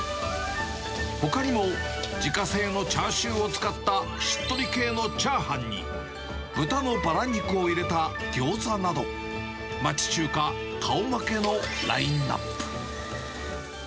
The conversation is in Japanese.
ほかにも自家製のチャーシューを使ったしっとり系のチャーハンに、豚のバラ肉を入れたギョーザなど、町中華顔負けのラインナップ。